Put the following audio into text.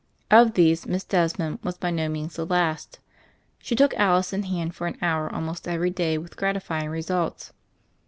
Of these Miss Desmond was by no means the least. She took Alice in hand for an hour almost every day with gratifying results.